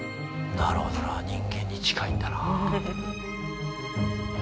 なるほどな人間に近いんだな。